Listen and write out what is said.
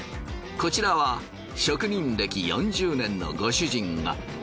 こちらは職人歴４０年のご主人が